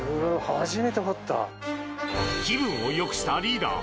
気分を良くしたリーダー